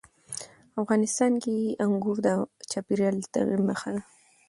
افغانستان کې انګور د چاپېریال د تغیر نښه ده.